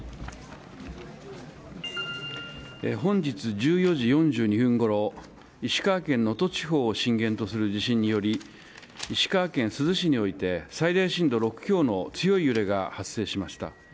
本日１４時４２分ごろ石川県能登地方を震源とする地震により石川県珠洲市において最大震度６強の強い揺れが発生しました。